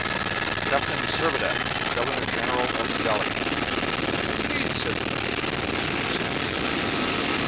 "To Captain Servadac, the governor general of Gallia." "Indeed!" said the major, with a supercilious look.